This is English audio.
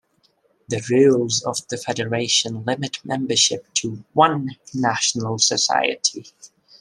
The rules of the federation limit membership to one national society.